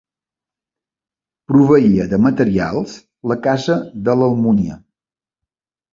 Proveïa de materials la casa de l'Almúnia.